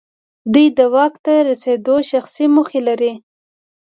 دوی د واک ته رسېدو شخصي موخې لرلې.